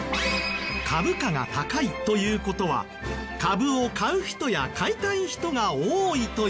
株価が高いという事は株を買う人や買いたい人が多いという事。